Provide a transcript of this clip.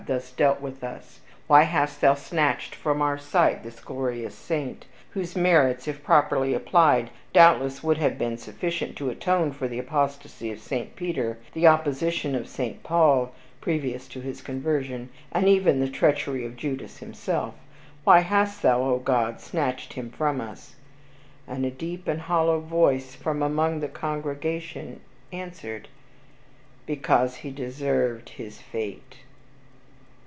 thus dealt with us? Why hast thou snatched from our sight this glorious saint, whose merits, if properly applied, doubtless would have been sufficient to atone for the apostasy of St. Peter, the opposition of St. Paul (previous to his conversion), and even the treachery of Judas himself? Why hast thou, Oh God! snatched him from us?" and a deep and hollow voice from among the congregation answered, "Because he deserved his fate."